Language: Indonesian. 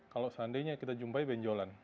kalau seandainya kita jumpai benjolan